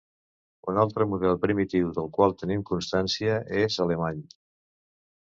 Un altre model primitiu del qual tenim constància és alemany.